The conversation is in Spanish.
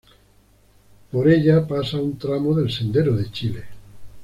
Por ella pasa un tramo del Sendero de Chile.